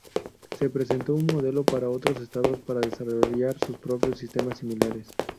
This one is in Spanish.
Se presentó un modelo para otros estados para desarrollar sus propios sistemas similares.